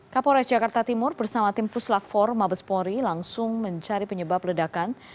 kapolres jakarta timur bersama tim puslap empat mabespori langsung mencari penyebab ledakan